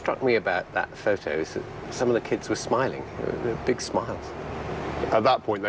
เรื่องนี้เขาคิดด้วยเราต้องปล่อยกันหน่อย